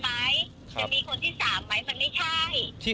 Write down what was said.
ต้องจะเริ่มต้นแต่เค้าเพิ่งจะมีวิจรรย์จริต